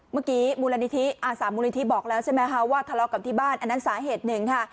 มูลนิธิอาสามมูลนิธิบอกแล้วใช่ไหมคะว่าทะเลาะกับที่บ้านอันนั้นสาเหตุหนึ่งค่ะ